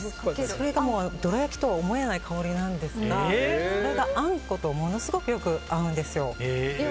それがどら焼きとは思えない香りなんですがあんことものすごくよく合うんですよ。